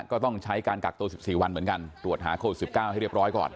ก็ต้องใช้การกักตัว๑๔วันเหมือนกันตรวจหาโควิด๑๙ให้เรียบร้อยก่อน